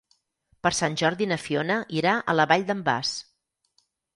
Per Sant Jordi na Fiona irà a la Vall d'en Bas.